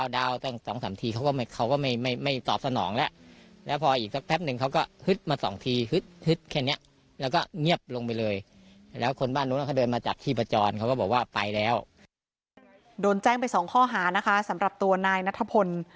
โดนแจ้ง๒ข้อหานะคะสำหรับตัวนายนัทพล